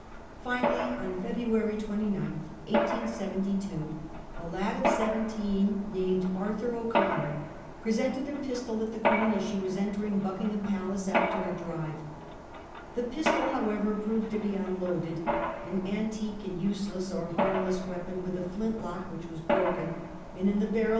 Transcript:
Finally, on February 29, 1872, a lad of seventeen, named Arthur O'Connor, presented a pistol at the Queen as she wais entering Buckingham Palace after a drive. The pistol, however, proved to be un loaded — an antique and useless or harmless weapon, with a flint lock which was broken, and in the barrel VOL.